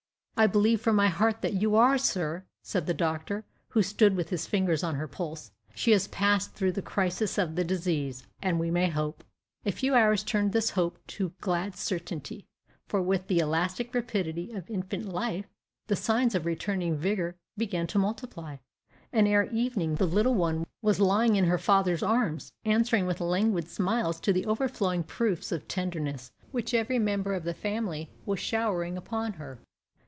"I believe from my heart that you are, sir!" said the doctor, who stood with his fingers on her pulse; "she has passed through the crisis of the disease, and we may hope." A few hours turned this hope to glad certainty; for with the elastic rapidity of infant life, the signs of returning vigor began to multiply, and ere evening the little one was lying in her father's arms, answering with languid smiles to the overflowing proofs of tenderness which every member of the family was showering upon her.